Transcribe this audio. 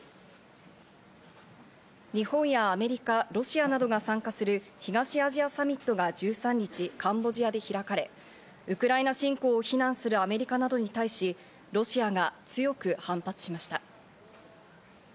日本やアメリカ、ロシアなどが参加する東アジアサミットが１３日、カンボジアで開かれ、ウクライナ侵攻を非難するアメリカなどに対し、ロシアが強く反発しました。